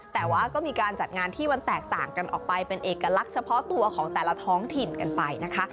แต่ว่าก็มีการจัดงานที่มันแตกต่างกันออกไปเป็นเอกลักษณ์เฉพาะตัวของแต่ละท้องถิ่นกันไปนะคะ